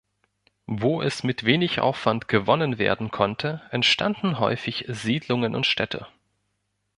Wo es mit wenig Aufwand gewonnen werden konnte, entstanden häufig Siedlungen und Städte.